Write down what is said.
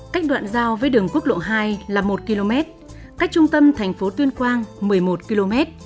cách đoạn giao với đường quốc lộ hai là một km cách trung tâm thành phố tuyên quang một mươi một km